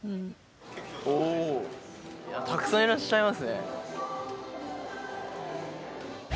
おおたくさんいらっしゃいますね